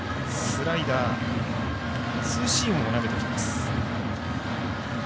スライダー、ツーシームも投げてきます。